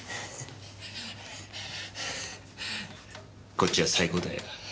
こっちは最高だよ。